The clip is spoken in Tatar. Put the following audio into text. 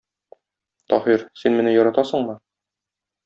Таһир, син мине яратасыңмы?